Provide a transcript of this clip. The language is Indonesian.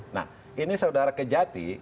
nah ini saudara kejati